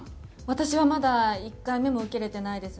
私はまだ１回目も受けれてないです。